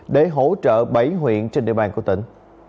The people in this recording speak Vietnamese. để hỗ trợ bảy huyện trên địa bàn của tỉnh